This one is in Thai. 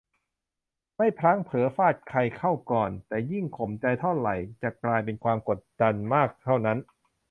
ไม่พลั้งเผลอฟาดใครเข้าก่อน แต่ยิ่งข่มใจเท่าไหร่จะกลายเป็นความกดดันมากเท่านั้น